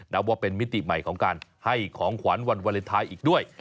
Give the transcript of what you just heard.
นับว่าเป็นมิติใหม่ของการให้ของขวัญวันวาเลนไทยอีกด้วย